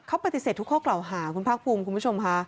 เขาปฏิเสธทุกข้อกล่าวหาคุณภาคภูมิคุณผู้ชมค่ะ